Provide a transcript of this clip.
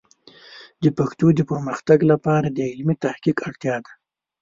د پښتو د پرمختګ لپاره د علمي تحقیق اړتیا ده.